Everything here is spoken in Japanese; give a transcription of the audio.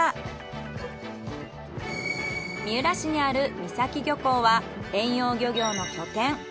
三浦市にある三崎漁港は遠洋漁業の拠点。